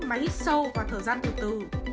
mà hít sâu và thở dắt từ từ